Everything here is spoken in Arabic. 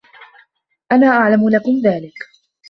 أَنَا أَعْلَمُ لَكُمْ ذَلِكَ